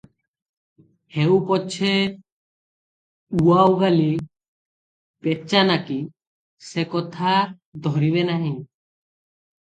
ହେଉ ପଛେ ଉଆଉଗାଲୀ, ପେଚାନାକୀ, ସେ କଥା ଧରିବେ ନାହିଁ ।